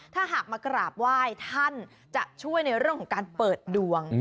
ถ้าหากมากราบไหว้ท่านจะช่วยในเรื่องของการเปิดดวง